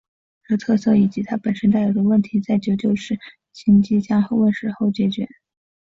这特色以及它本身带有的问题在九九式轻机枪问世后获得解决。